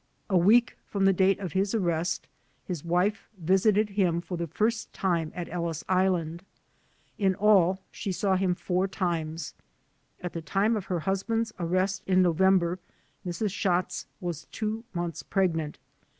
A week from the date of his arrest his wife visited him for the first time at Ellis Island. In all she saw him four times. At the time of her husband's arrest in November, Mrs. Schatz was two months pregnant.